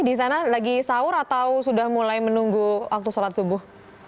di sana lagi sahur atau sudah mulai menunggu waktu sholat subuh